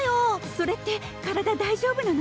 それって体大丈夫なの？